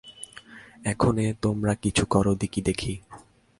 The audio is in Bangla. এক্ষণে তোমরা কিছু কর দিকি দেখি।